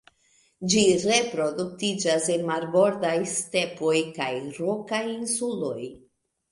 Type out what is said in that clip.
Ĝi reproduktiĝas en marbordaj stepoj kaj rokaj insuloj.